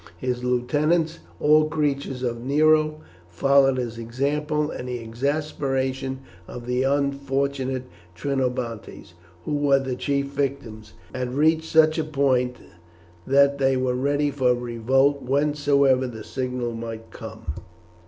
His lieutenants, all creatures of Nero, followed his example, and the exasperation of the unfortunate Trinobantes, who were the chief victims, had reached such a point that they were ready for revolt whensoever the signal might come.